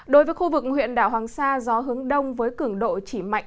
đối với khu vực huyện đảo hoàng sa gió hướng đông với cường độ chỉ mạnh